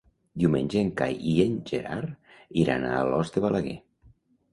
Diumenge en Cai i en Gerard iran a Alòs de Balaguer.